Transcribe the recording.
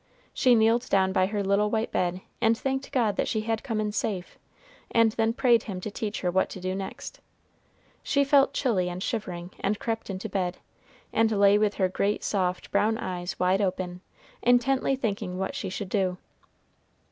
She kneeled down by her little white bed, and thanked God that she had come in safe, and then prayed him to teach her what to do next. She felt chilly and shivering, and crept into bed, and lay with her great soft brown eyes wide open, intently thinking what she should do.